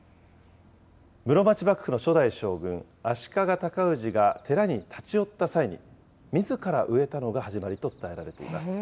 室町幕府の初代将軍、足利尊氏が寺に立ち寄った際に、みずから植えたのが始まりと伝えられています。